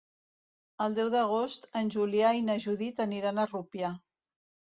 El deu d'agost en Julià i na Judit aniran a Rupià.